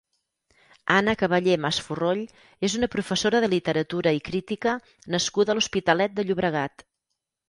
Anna Caballé Masforroll és una professora de literatura i crítica nascuda a l'Hospitalet de Llobregat.